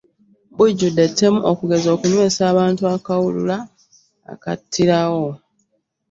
Bujjudde ettemu okugeza okunywesa abantu akawulula akattirawo.